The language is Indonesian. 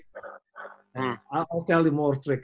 saya akan memberi anda lebih banyak trik